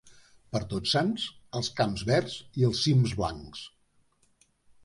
Per Tots Sants els camps verds i els cims blancs.